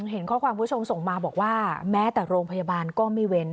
เห็นข้อความคุณผู้ชมส่งมาบอกว่าแม้แต่โรงพยาบาลก็ไม่เว้น